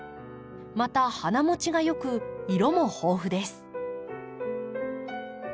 また花もちが良く色も豊富です。